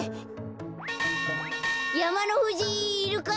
やまのふじいるか？